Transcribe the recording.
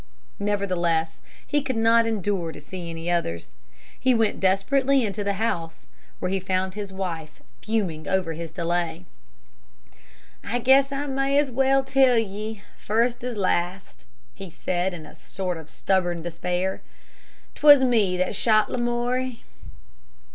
Nevertheless, he could not endure to see any others. He went desperately into the house, where he found his wife fuming over his delay. "I guess I may as well tell ye, first as last," he said, in a sort of stubborn despair. "'T was me that shot Lamoury."